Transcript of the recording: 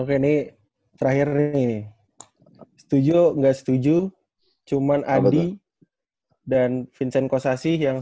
oke ini terakhir nih nih setuju gak setuju cuman adi dan vincent kossasyi yang